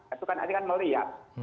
itu kan artinya melihat